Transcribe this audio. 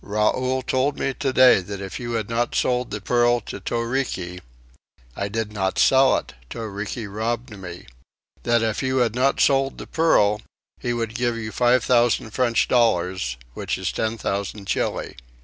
Raoul told me today that if you had not sold the pearl to Toriki " "I did not sell it. Toriki robbed me." " that if you had not sold the pearl, he would give you five thousand French dollars, which is ten thousand Chili."